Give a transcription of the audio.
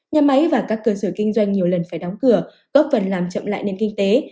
nhà máy và các cơ sở kinh doanh nhiều lần phải đóng cửa góp phần làm chậm lại nền kinh tế